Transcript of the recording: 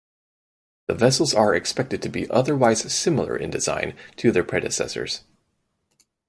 The vessels are expected to be otherwise similar in design to their predecessors.